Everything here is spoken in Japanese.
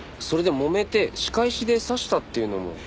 それでもめて仕返しで刺したっていうのも。